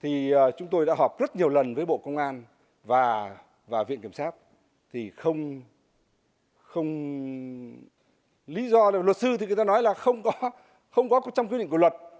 thì chúng tôi đã họp rất nhiều lần với bộ công an và viện kiểm sát lý do là luật sư thì người ta nói là không có trong quy định của luật